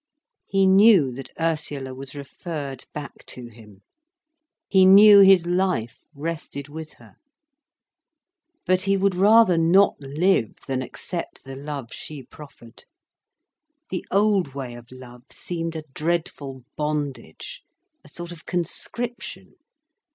He knew that Ursula was referred back to him. He knew his life rested with her. But he would rather not live than accept the love she proffered. The old way of love seemed a dreadful bondage, a sort of conscription.